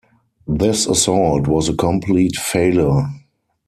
This assault was a complete failure.